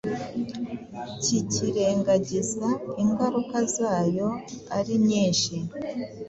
kikirengagiza ingaruka zayo ari nyinshi.